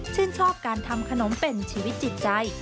ชอบการทำขนมเป็นชีวิตจิตใจ